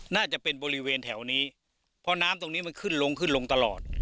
น่าจะเป็นบริเวณแถวนี้เพราะน้ำตรงนี้มันขึ้นลงขึ้นลงตลอด